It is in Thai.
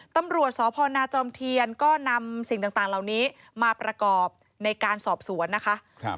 ตำรวจสพนาจอมเทียนก็นำสิ่งต่างเหล่านี้มาประกอบในการสอบสวนนะคะ